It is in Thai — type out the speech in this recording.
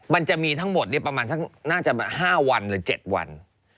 มันจะมีทั้งหมดประมาณ๕วันหรือ๗วัน